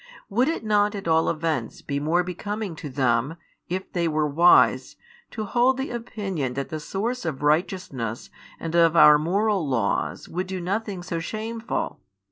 Would it not at all events be more becoming to them, if they were wise, to hold the opinion that the Source of righteousness and of our moral laws would do nothing so shameful?